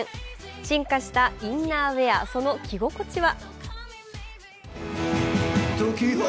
進化したインナーウェア、その着心地は？